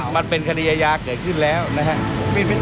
มันเป็นคดีอาญาเกิดขึ้นแล้วนะครับ